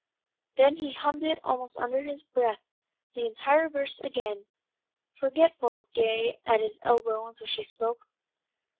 '" Then he hummed it almost under his breath, the entire verse again, forgetful of Gay at his elbow until she spoke.